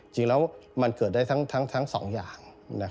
จริงแล้วมันเกิดได้ทั้งสองอย่าง